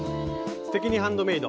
「すてきにハンドメイド」